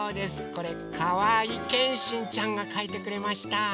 これかわいけんしんちゃんがかいてくれました。